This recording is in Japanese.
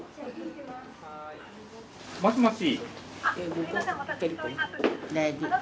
もしもし。